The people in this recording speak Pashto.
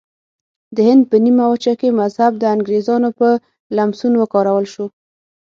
د هند په نیمه وچه کې مذهب د انګریزانو په لمسون وکارول شو.